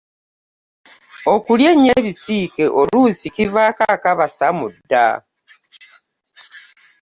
Okulya ennyo ebisiike oluusi kivaako akabasa mu dda.